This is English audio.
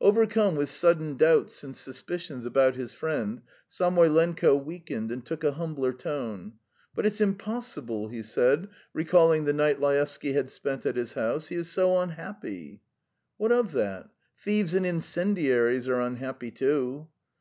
Overcome with sudden doubts and suspicions about his friend, Samoylenko weakened and took a humbler tone. "But it's impossible," he said, recalling the night Laevsky had spent at his house. "He is so unhappy!" "What of that? Thieves and incendiaries are unhappy too!"